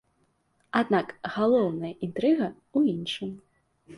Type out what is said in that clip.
Аднак галоўная інтрыга ў іншым.